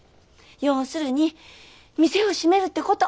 要するに店を閉めるってこと。